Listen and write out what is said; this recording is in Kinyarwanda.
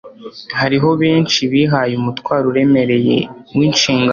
Hariho benshi bihaye umutwaro uremereye winshingano